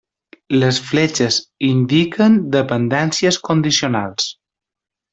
Les fletxes indiquen dependències condicionals.